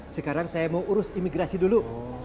sekarang saya mau urus imigrasi dulu